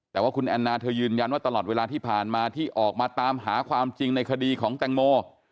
แต่ว่าคุณแอนนาเธอยืนยันว่าตลอดเวลาที่ผ่านมาที่ออกมาตามหาความจริงในคดีของแตงโม